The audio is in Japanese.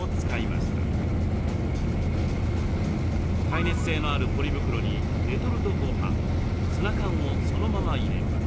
耐熱性のあるポリ袋にレトルトごはんツナ缶をそのまま入れます。